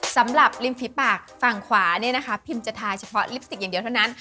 สำหรับริมฝีปากฝั่งขวาเนี่ยนะคะพิมจะทายเฉพาะลิปสติกอย่างเดียวเท่านั้น